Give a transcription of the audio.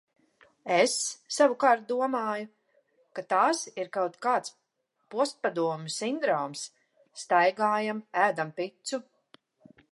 Es, savukārt, domāju, ka tās ir kaut kāds postpadomju sindroms. Staigājam, ēdam picu.